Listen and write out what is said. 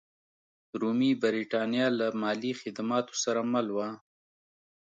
رومي برېټانیا له مالي خدماتو سره مل وه.